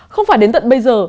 không phải đến tận bây giờ